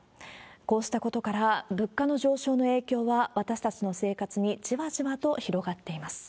こうしたことから、物価の上昇の影響は私たちの生活にじわじわと広がっています。